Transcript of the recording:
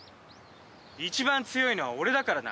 一番強いのは俺だからな。